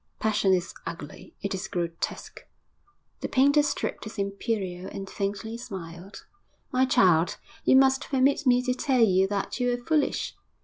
Passion is ugly; it is grotesque.' The painter stroked his imperial and faintly smiled. 'My child, you must permit me to tell you that you are foolish.